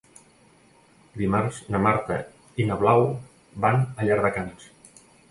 Dimarts na Marta i na Blau van a Llardecans.